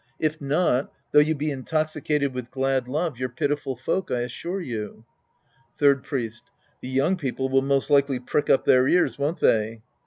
If not, though you be intoxicated with glad love, you're pitiful folk, I assure you. Third Priest. The young people will most likely prick up their ears, won't they